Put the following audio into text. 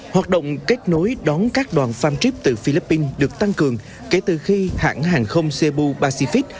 hoạt động kết nối đón các đoàn farm trip từ philippines được tăng cường kể từ khi hãng hàng không cebu pacific